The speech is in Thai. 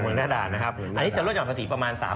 เมืองหน้าด่านอันนี้จะรถยอดประสิทธิ์ประมาณ๓๐๐๐๐บาท